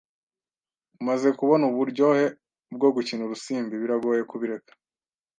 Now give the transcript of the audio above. Umaze kubona uburyohe bwo gukina urusimbi, biragoye kubireka.